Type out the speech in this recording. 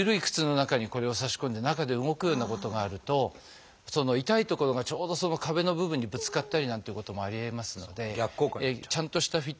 靴の中にこれを差し込んで中で動くようなことがあるとその痛い所がちょうど壁の部分にぶつかったりなんていうこともありえますのでちゃんとした